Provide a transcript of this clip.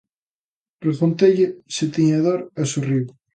Pregunteille se tiña dor e sorriu.